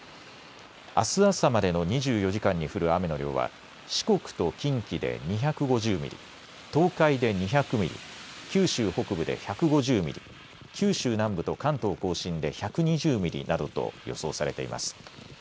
あす朝までの２４時間に降る雨の量は四国と近畿で２５０ミリ、東海で２００ミリ、九州北部で１５０ミリ、九州南部と関東甲信で１２０ミリなどと予想されています。